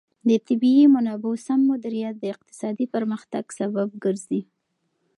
د طبیعي منابعو سم مدیریت د اقتصادي پرمختګ سبب ګرځي.